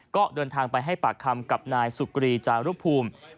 ก็เดินทางไปให้ปากคำกับนายสุกรีจารุภูมิ